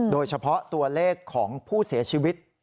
โดยเฉพาะตัวเลขของผู้เสียชีวิต